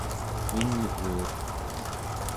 min'guuq